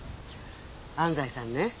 ⁉安西さんね